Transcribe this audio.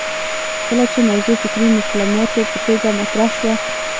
کله چې موضوع فکري مسلماتو په توګه مطرح شوه